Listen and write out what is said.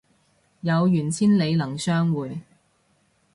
有緣千里能相會